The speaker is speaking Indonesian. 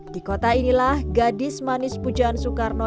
di kota inilah gadis manis pujaan soekarno